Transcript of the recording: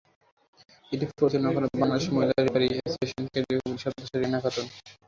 এটি পরিচালনা করেন বাংলাদেশ মহিলা রেফারি অ্যাসোসিয়েশনের কেন্দ্রীয় কমিটির সদস্য রেহেনা খাতুন।